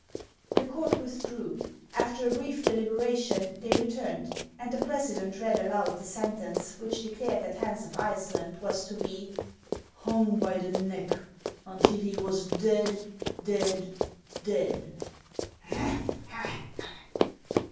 The court withdrew. After a brief deliberation they re turned, and the president read aloud the sentence, which declared that Hans of Iceland was to be " hung by the neck until he was dead, dead, dead."